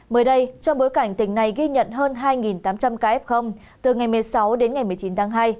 mới đây trong bối cảnh tỉnh này ghi nhận hơn hai tám trăm linh ca f từ ngày một mươi sáu đến ngày một mươi chín tháng hai